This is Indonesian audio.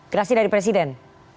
gerasi dari presiden